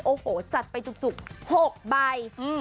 โอ้โหจัดไปจุก๖ใบ